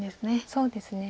そうですね。